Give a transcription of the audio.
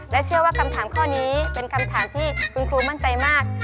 และเชื่อว่าคำถามข้อนี้เป็นคำถามที่คุณครูมั่นใจมาก